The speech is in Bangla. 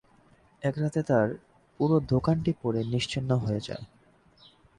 এক রাতে তাঁর পুরো দোকানটি পুড়ে নিশ্চিহ্ন হয়ে যায়।